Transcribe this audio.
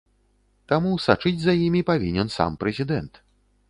Таму сачыць за імі павінен сам прэзідэнт.